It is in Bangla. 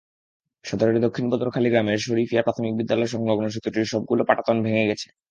সদরের দক্ষিণ বদরখালী গ্রামের শরিফিয়া প্রাথমিক বিদ্যালয়সংলগ্ন সেতুটির সবগুলো পাটাতন ভেঙে গেছে।